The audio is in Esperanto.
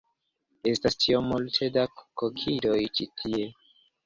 Estas tiom multe da kokidoj ĉi tie